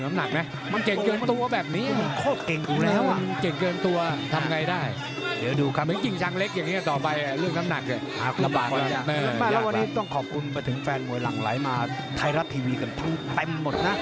แล้ววันนี้ต้องขอบคุณไปถึงแฟนมวยหลังไหลมาไทยรัฐทีวีกันทั้งเต็มหมดนะ